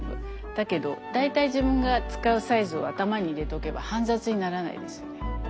だけど大体自分が使うサイズを頭に入れとけば煩雑にならないですよね。